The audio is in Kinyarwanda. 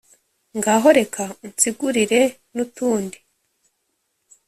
Ngaho reka unsigurire n’utundi